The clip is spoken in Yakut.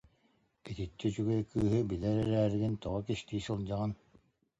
Итиччэ үчүгэй кыыһы билэр эрээригин тоҕо кистии сылдьаҕын